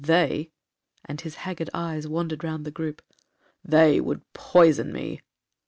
They, (and his haggard eye wandered round the groupe), they would poison me.'